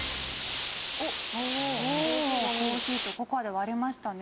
コーヒーとココアで割れましたね。